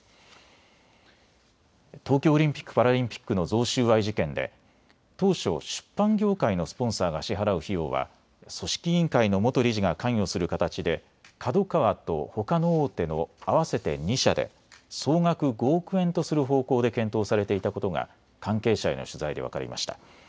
東京オリンピック・パラリンピックの贈収賄事件で当初、出版業界のスポンサーが支払う費用は組織委員会の元理事が関与する形でＫＡＤＯＫＡＷＡとほかの大手の合わせて２社で総額５億円とする方向で検討されていたことが関係者への取材で分かりました。